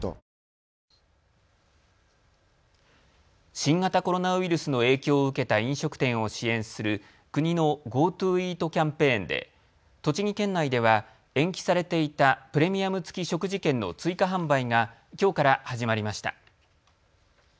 新型コロナウイルスの影響を受けた飲食店を支援する国のＧｏＴｏイートキャンペーンで栃木県内では延期されていたプレミアム付き食事券の追加販売がきょうから始まりました。